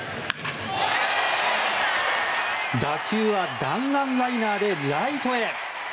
打球は弾丸ライナーでライトへ。